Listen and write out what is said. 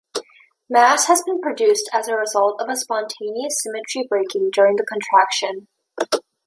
Mass has been produced as a result of a spontaneous symmetry breaking during the contraction.